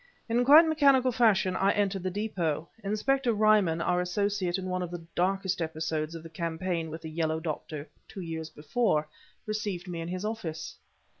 In quite mechanical fashion I entered the depot. Inspector Ryman, our associate in one of the darkest episodes of the campaign with the Yellow Doctor two years before, received me in his office.